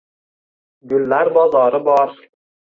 gullar bozori bor